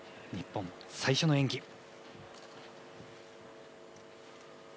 日本最初の演技。